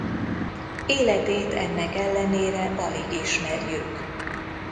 Életét ennek ellenére alig ismerjük.